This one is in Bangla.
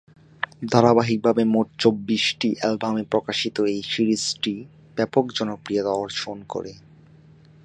ধারাবাহিকভাবে মোট চব্বিশটি অ্যালবামে প্রকাশিত এই সিরিজটি ব্যাপক জনপ্রিয়তা অর্জন করে।